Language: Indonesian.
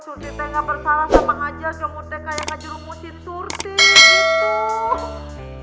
surti teh gak bersalah sama aja nyomot teh kayak ngejurumusin surti gitu